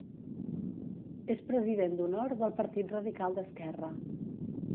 És president d'honor del Partit Radical d'Esquerra.